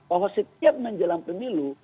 bahwa setiap menjelang pemilu